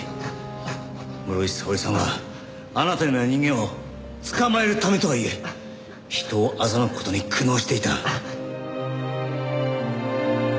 室井沙織さんはあなたのような人間を捕まえるためとはいえ人を欺く事に苦悩していた。